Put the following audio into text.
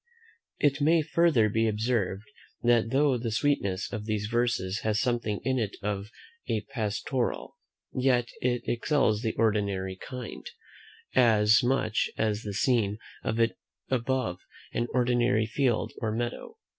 It may further be observed, that though the sweetness of these verses has something in it of a pastoral, yet it excels the ordinary kind, as much as the scene of it is above an ordinary field or meadow.